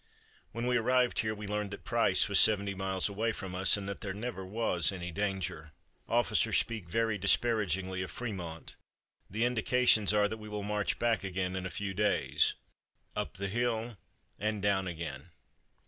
"When we arrived here we learned that Price was seventy miles away from us and that there never was any danger. Officers speak very disparagingly of Frémont. The indications are that we will march back again in a few days. 'Up the hill and down again.'"